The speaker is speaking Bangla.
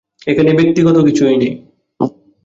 এখানে ব্যক্তিগত কিছুই নেই।